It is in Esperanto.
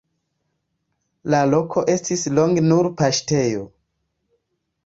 La loko estis longe nur paŝtejo.